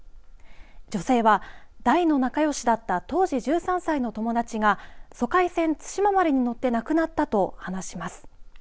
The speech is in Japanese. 女性は大の仲良しだった当時１３歳の友達が疎開船、対馬丸に乗って亡くなったと話します。